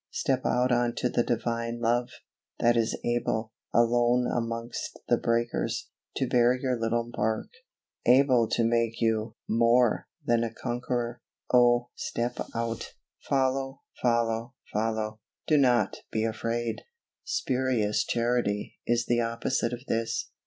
Step out on to the Divine love, that is able, alone amongst the breakers, to bear your little bark able to make you more than a conqueror. Oh, step out follow, follow, follow do not be afraid! Spurious Charity is the opposite of this.